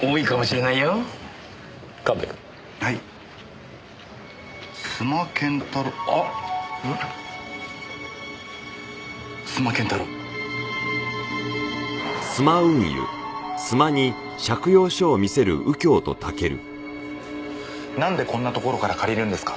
なんでこんなところから借りるんですか？